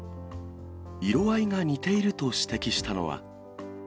色合いが似ていると指摘したのは。